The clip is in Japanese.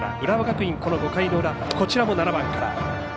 浦和学院、５回の裏こちらも７番から。